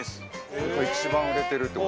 齊藤：一番売れてるって事？